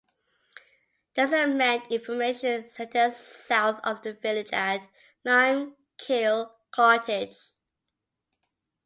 There is a manned information centre south of the village at "Lime Kiln Cottage".